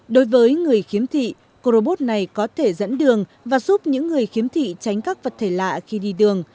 đối với người khiếm thị co robot này có thể dẫn đường và giúp những người khiếm thị tránh các vật thể lạ khi đi đường